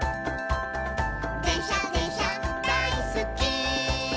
「でんしゃでんしゃだいすっき」